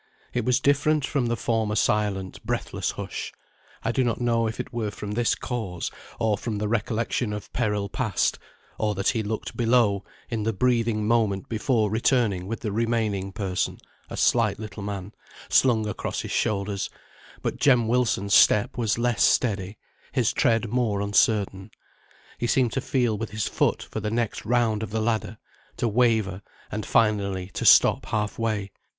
It was different from the former silent breathless hush. I do not know if it were from this cause, or from the recollection of peril past, or that he looked below, in the breathing moment before returning with the remaining person (a slight little man) slung across his shoulders, but Jem Wilson's step was less steady, his tread more uncertain; he seemed to feel with his foot for the next round of the ladder, to waver, and finally to stop half way.